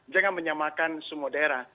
jangan menyamakan semua daerah